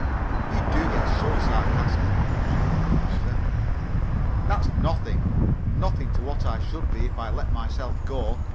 "You do get so sarcastic," observed Eliza. "That's nothing nothing to what I should be if I let myself go.